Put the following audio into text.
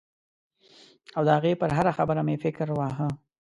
او د هغې پر هره خبره مې فکر واهه.